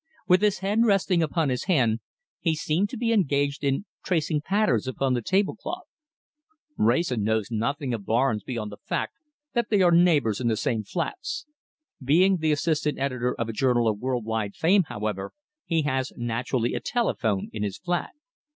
With his head resting upon his hand, he seemed to be engaged in tracing patterns upon the tablecloth. "Wrayson knows nothing of Barnes beyond the fact that they are neighbours in the same flats. Being the assistant editor of a journal of world wide fame, however, he has naturally a telephone in his flat.